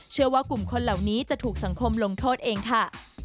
เชื่อว่ากลุ่มคนเหล่านี้จะถูกสังคมลงโทษเองค่ะ